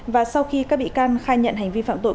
và sau khi các bị can khai nhận hành vi phạm tội